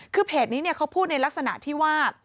คือเพจนี้เขาพูดในลักษณะที่ว่า